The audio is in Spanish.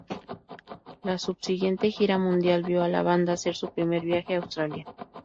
La subsiguiente gira mundial vio a la banda hacer su primer viaje a Australia.